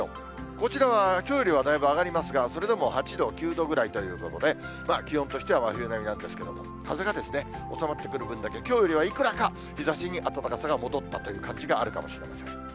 こちらはきょうよりはだいぶ上がりますが、それでも８度、９度ぐらいということで、気温としては真冬並みなんですけど、風が収まってくる分だけ、きょうよりはいくらか日ざしに暖かさが戻ったという感じがあるかもしれません。